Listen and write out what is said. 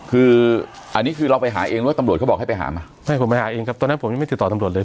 คืออันนี้คือเราไปหาเองหรือว่าตำรวจเขาบอกให้ไปหาไหมไม่ให้ผมไปหาเองครับตอนนั้นผมยังไม่ติดต่อตำรวจเลย